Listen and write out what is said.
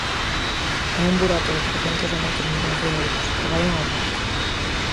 É un burato de trescentos e moitos millóns de euros, e vai en aumento.